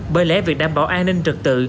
bởi lẽ việc đảm bảo an ninh trật tự